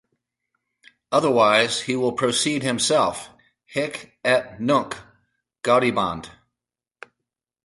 Otherwise, he will proceed himself, hic et nunc..." "Gaudiband.